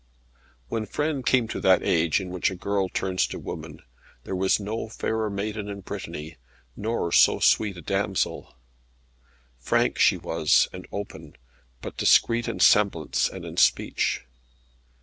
When Frêne came to that age in which a girl turns to woman, there was no fairer maiden in Brittany, nor so sweet a damsel. Frank, she was, and open, but discreet in semblance and in speech.